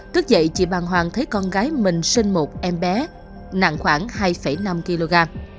tức dậy chị bàng hoàng thấy con gái mình sinh một em bé nặng khoảng hai năm kg